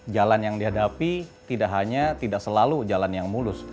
jalan yang dihadapi tidak hanya tidak selalu jalan yang mulus